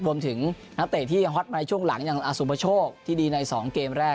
รวมถึงนักเตะที่ฮ็อตมาในช่วงหลังอย่างอสุปโชคที่ดีในสองเกมแรก